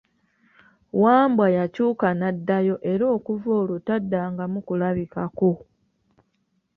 Wambwa yakyuka n'addayo era okuva olwo taddangamu kulabikako.